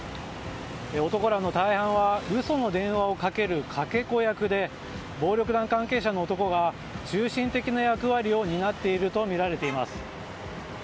男らの大半は嘘の電話をかけるかけ子役で、暴力団関係者の男が中心的な役割を担っているとみられています。